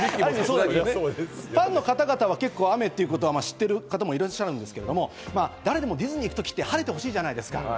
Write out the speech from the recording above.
ファンの方々は雨というのを知ってる方もいるんですけど、だれでもディズニー行くときって晴れてほしいじゃないですか。